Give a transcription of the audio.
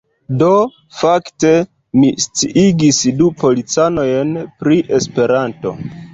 Do, fakte, mi sciigis du policanojn pri Esperanto